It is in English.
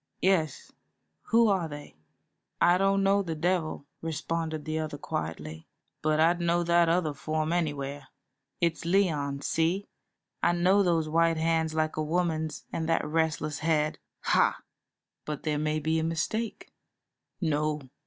"Yes; who are they?" "I don't know the devil," responded the other, quietly, "but I'd know that other form anywhere. It's Leon, see? I know those white hands like a woman's and that restless head. Ha!" "But there may be a mistake." "No.